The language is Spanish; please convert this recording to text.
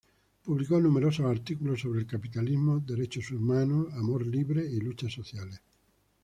Publicó numerosos artículos sobre el capitalismo, derechos humanos, amor libre y luchas sociales.